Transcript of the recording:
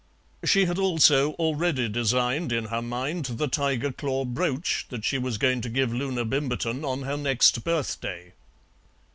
She had also already designed in her mind the tiger claw brooch that she was going to give Loona Bimberton on her next birthday.